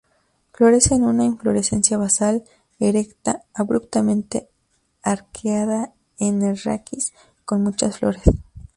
Florece en una inflorescencia basal, erecta, abruptamente arqueada en el raquis, con muchas flores.